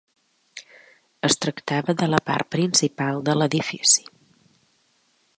Es tractava de la part principal de l'edifici.